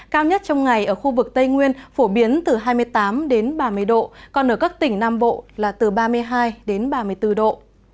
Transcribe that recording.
cao nhất trong ngày ở khu vực tây nguyên phổ biến từ hai mươi tám đến ba mươi độ còn ở các tỉnh nam bộ là từ ba mươi hai đến ba mươi bốn độ